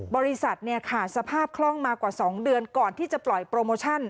บริษัทขาดสภาพคล่องมากว่า๒เดือนก่อนที่จะปล่อยโปรโมชั่น